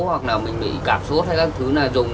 hoặc nào mình bị cạp sốt hay các thứ